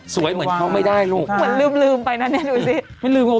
สวยเหมือนไม่ได้ลูกเหมือนลืมไปน่ะเนี่ยดูซิ